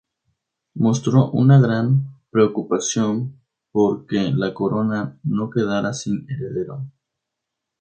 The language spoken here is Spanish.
Mostró una gran preocupación por que la corona no quedara sin heredero.